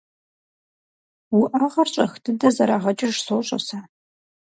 УӀэгъэр щӀэх дыдэ зэрагъэкӀыж сощӀэ сэ.